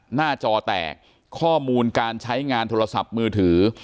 หน้าจอแตกข้อมูลการใช้งานโทรศัพท์มือถือ